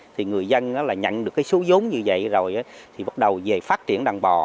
thì người dân là nhận được cái số giống như vậy rồi thì bắt đầu về phát triển đàn bò